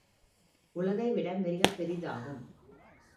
உலகைவிட மிகப் பெரிதாகும்.